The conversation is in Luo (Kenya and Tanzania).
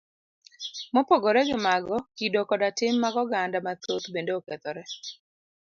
Mopogore gi mago, kido koda tim mag oganda mathoth bende okethore.